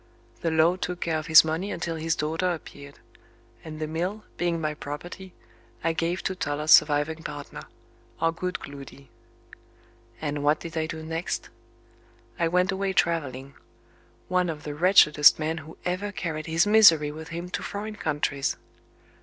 The law took care of his money until his daughter appeared; and the mill, being my property, I gave to Toller's surviving partner our good Gloody. And what did I do next? I went away travelling; one of the wretchedest men who ever carried his misery with him to foreign countries.